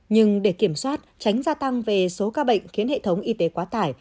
nhưng để kiểm soát tránh gia tăng về số ca bệnh khiến hệ thống y tế quá tải